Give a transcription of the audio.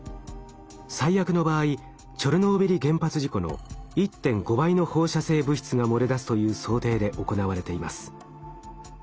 最悪の場合チョルノービリ原発事故の１．５倍の放射性物質が漏れ出すという想定で行われています。